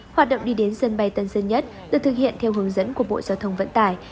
hoạt động đi đến sân bay tân sơn nhất được thực hiện theo hướng dẫn của bộ giao thông vận tải